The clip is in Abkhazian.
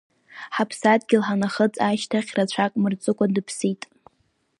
Ҳаԥсадгьыл ҳанахыҵ ашьҭахь, рацәак мырҵыкуа дыԥсит.